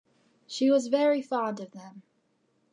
She was very fond of them.